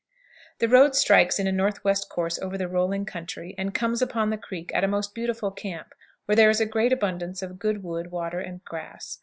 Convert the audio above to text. The road strikes in a northwest course over the rolling country, and comes upon the creek at a most beautiful camp, where there is a great abundance of good wood, water, and grass.